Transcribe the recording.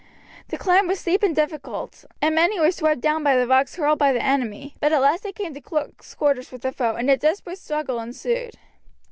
The climb was stiff and difficult, and many were swept down by the rocks hurled by the enemy; but at last they came to close quarters with the foe, and a desperate struggle ensued.